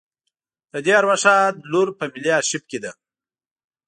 د دې ارواښاد لور په ملي آرشیف کې ده.